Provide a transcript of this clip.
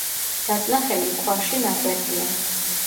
საწნახელი ქვაში ნაკვეთია.